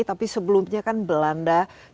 tapi sebelumnya kan belanda sudah maju ya